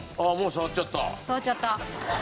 触っちゃった。